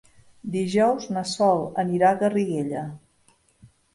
Dijous na Sol anirà a Garriguella.